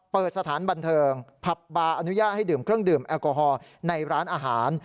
เปิดสถานบันเทิงผับบาร์อนุญาตให้ดื่มเครื่องดื่มแอลกอฮอล์ในร้านอาหาร